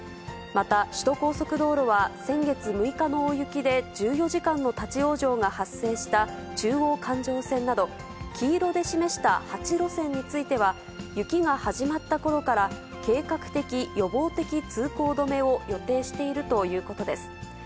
また首都高速道路は、先月６日の大雪で１４時間の立往生が発生した中央環状線など、黄色で示した８路線については、雪が始まったころから、計画的・予防的通行止めを予定しているということです。